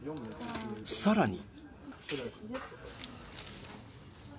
更に。